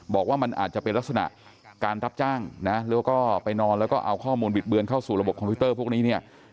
บอกว่ามันอาจจะเป็นลักษณะการรับจ้างนะแล้วก็ไปนอนแล้วก็เอาข้อมูลบิดเบือนเข้าสู่ระบบคอมพิวเตอร์พวกนี้เนี่ย